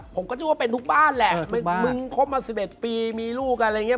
ผมก็คิดว่าเป็นทุกบ้านแหละมึงคบมา๑๑ปีมีลูกอะไรอย่างนี้